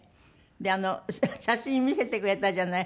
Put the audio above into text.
で写真見せてくれたじゃない？